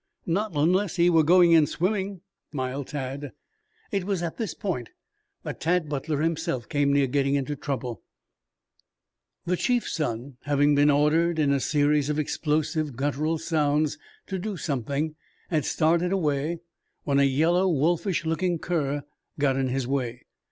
"Not unless he were going in swimming," smiled Tad. It was at this point that Tad Butler himself came near getting into difficulties. The chief's son, having been ordered in a series of explosive guttural sounds to do something, had started away when a yellow, wolfish looking cur got in way.